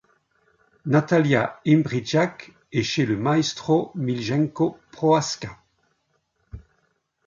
Natalija Imbrišak et chez le maestro Miljenko Prohaska.